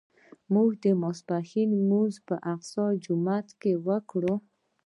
موږ د ماسپښین لمونځ په اقصی جومات کې وکړ.